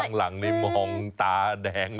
ข้างหลังนี่มองตาแดง